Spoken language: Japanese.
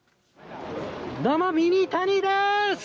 どうも、ミニタニでーす。